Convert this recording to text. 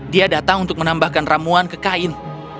dia datang untuk menambahkan ramuan ke kain